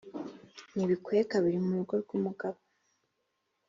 ntibikwiye kabiri mu rugo rw’umugabo